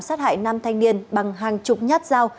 xác hại năm thanh niên bằng hàng chục nhát dao